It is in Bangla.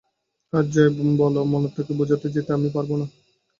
আর যাই বল মন্মথকে বোঝাতে যেতে আমি পারব না।